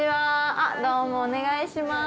あっどうもお願いします。